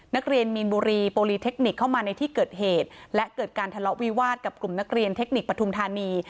นักเรียนมีนบุรีโปรลีเทคนิคเข้ามาในที่เกิดเหตุและเกิดการทะเลาะวิวาสกับกลุ่มนักเรียนเทคนิคปฐุมธานี